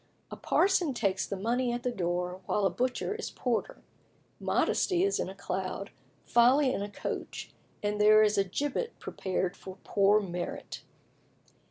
A parson takes the money at the door, while a butcher is porter. Modesty is in a cloud, Folly in a coach, and there is a gibbet prepared for poor Merit.